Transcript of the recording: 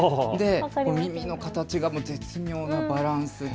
耳の形が絶妙のバランスで。